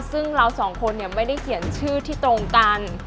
ซึ่งเราสองคนไม่ได้เขียนชื่อที่ตรงกัน